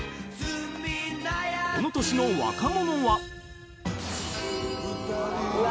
［この年の若者は］うわ！